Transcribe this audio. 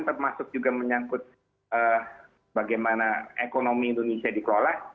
termasuk juga menyangkut bagaimana ekonomi indonesia dikelola